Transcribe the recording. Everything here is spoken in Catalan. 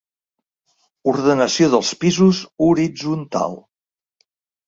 Ordenació dels pisos horitzontal.